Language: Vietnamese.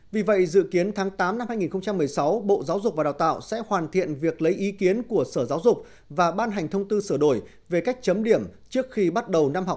vì vậy dự kiến tháng tám năm hai nghìn một mươi sáu bộ giáo dục và đào tạo sẽ hoàn thiện việc lấy ý kiến của sở giáo dục và ban hành thông tư sửa đổi về cách chấm điểm trước khi bắt đầu năm học hai nghìn một mươi sáu hai nghìn một mươi bảy